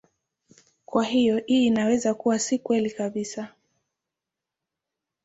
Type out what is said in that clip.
Kwa hiyo hii inaweza kuwa si kweli kabisa.